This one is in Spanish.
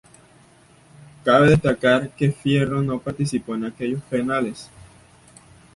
Cabe destacar que Fierro no participó en aquellos penales.